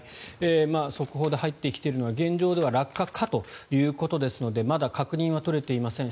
速報で入ってきているのは現状では落下かということですのでまだ確認は取れていません。